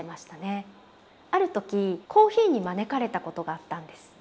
ある時コーヒーに招かれたことがあったんです。